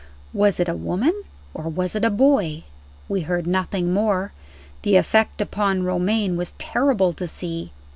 Was it a woman? or was it a boy? We heard nothing more. The effect upon Romayne was terrible to see.